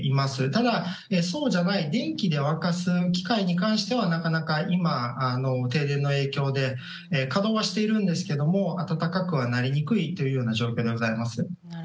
ただ、そうじゃない電気で沸かす機械に関してはなかなか今の停電の影響で稼働はしているんですが暖かくはなりにくいという状況でございます。